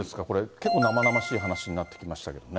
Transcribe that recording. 結構、生々しい話になってきましたけどね。